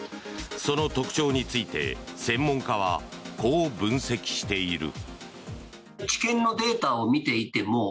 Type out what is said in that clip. その特徴について専門家はこう分析している。